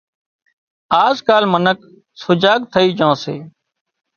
آز ڪال منک سجاگ ٿئي جھان سي